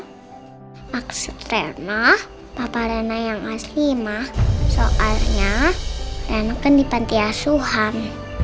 maksud rena papa rena yang asli mah soalnya rena kan di pantai asuhan